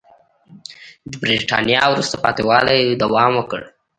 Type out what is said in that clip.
د برېټانیا وروسته پاتې والي دوام وکړ.